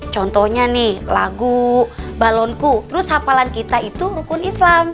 contohnya nih lagu balonku terus hafalan kita itu rukun islam